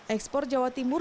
ekspor jawa timur